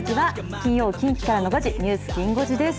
金曜、近畿からの５時、ニュースきん５時です。